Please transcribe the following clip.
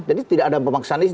jadi tidak ada pemaksaan